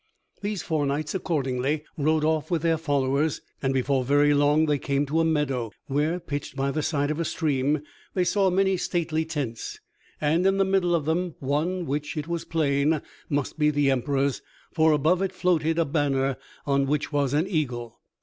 These four knights, accordingly, rode off with their followers, and before very long they came to a meadow, where, pitched by the side of a stream, they saw many stately tents, and in the middle of them one which, it was plain, must be the Emperor's, for above it floated a banner on which was an eagle.